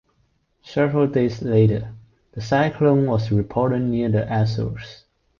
Several days later, the cyclone was reported near the Azores.